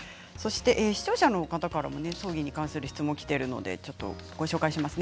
視聴者の方からも葬儀に関する質問がきているのでご紹介します。